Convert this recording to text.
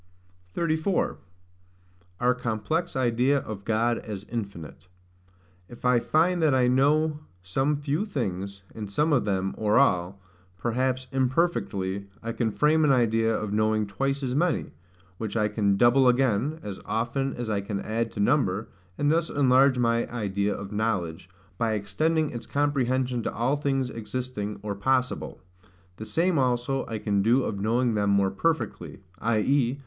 34. Our complex idea of God as infinite. If I find that I know some few things, and some of them, or all, perhaps imperfectly, I can frame an idea of knowing twice as many; which I can double again, as often as I can add to number; and thus enlarge my idea of knowledge, by extending its comprehension to all things existing, or possible. The same also I can do of knowing them more perfectly; i.e.